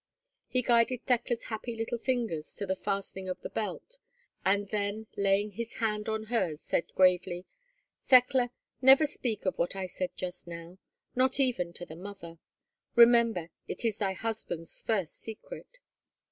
He guided Thekla's happy little fingers to the fastening of the belt, and then, laying his hand on hers, said gravely, "Thekla, never speak of what I said just now—not even to the mother. Remember, it is thy husband's first secret."